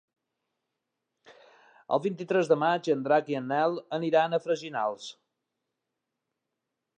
El vint-i-tres de maig en Drac i en Nel aniran a Freginals.